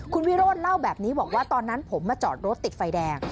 คุณวิโรธเล่าแบบนี้บอกว่าตอนนั้นผมมาจอดรถติดไฟแดง